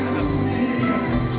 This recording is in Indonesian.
untuk perusahaan indonesia